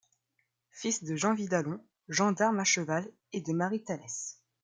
Fils de Jean Vidalon, gendarme à cheval, et de Marie Talès.